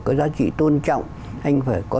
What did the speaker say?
có giá trị tôn trọng anh phải có